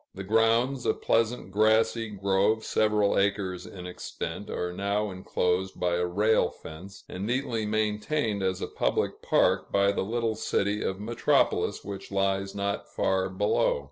The grounds, a pleasant grassy grove several acres in extent, are now enclosed by a rail fence, and neatly maintained as a public park by the little city of Metropolis, which lies not far below.